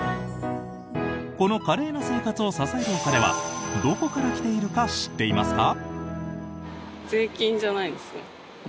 この華麗な生活を支えるお金はどこから来ているか知っていますか？